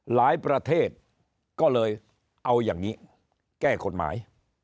ประเทศก็เลยเอาอย่างนี้แก้กฎหมาย